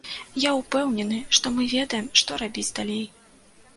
Я ўпэўнены, што мы ведаем, што рабіць далей.